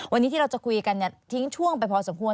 วันนี้ที่เราจะคุยกันทิ้งช่วงไปพอสมควร